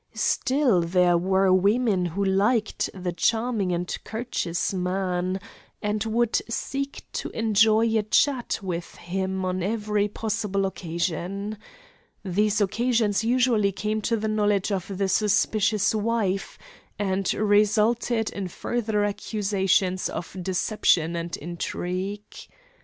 Still there were women who liked the charming and courteous man, and would seek to enjoy a chat with him on every possible occasion. These occasions usually came to the knowledge of the suspicious wife, and resulted in further accusations of deception and intrigue.